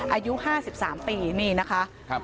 อายุ๕๓ปีนี่นะคะ